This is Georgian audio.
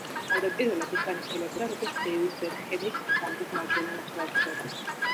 თავდაპირველად ის განიხილებოდა როგორც დეივიდ ბექჰემის რანგის მარჯვენა ნახევარმცველი.